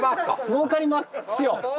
もうかりますよ。